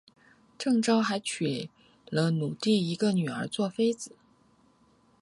郑昭还娶了努的一个女儿为妃子。